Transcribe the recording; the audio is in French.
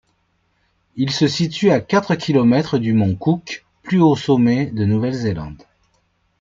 Il se situe à quatre kilomètres du mont Cook, plus haut sommet de Nouvelle-Zélande.